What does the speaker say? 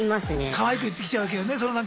かわいく言ってきちゃうわけよね。